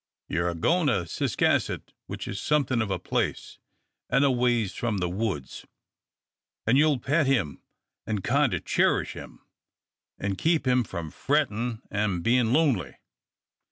Ye're a goin' to Ciscasset, which is somethin' of a place, an' a ways from the woods. An' ye'll pet him an' kinder cherish him, an' keep him from frettin' an' bein' lonely.